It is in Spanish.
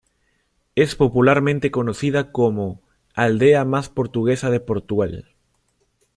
Es popularmente conocida como ""aldea más portuguesa de Portugal"".